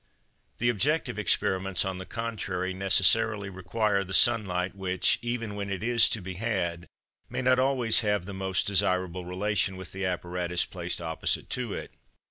The objective experiments, on the contrary, necessarily require the sun light which, even when it is to be had, may not always have the most desirable relation with the apparatus placed opposite to it.